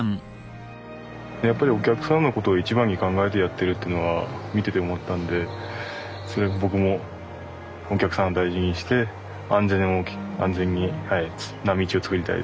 やっぱりお客さんのことを一番に考えてやってるっていうのは見てて思ったんでそれで僕もお客さんを大事にして安全な道を作りたいですね。